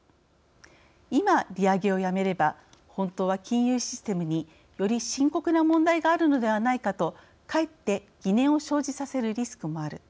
今、利上げをやめれば本当は金融システムにより深刻な問題があるのではないかとかえって疑念を生じさせるリスクもある。